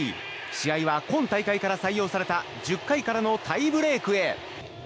試合は今大会から採用された１０回からのタイブレークへ。